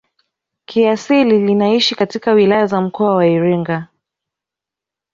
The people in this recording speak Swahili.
Kiasili linaishi katika wilaya za mkoa wa Iringa